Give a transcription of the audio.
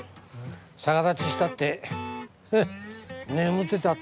逆立ちしたって眠ってたってできる。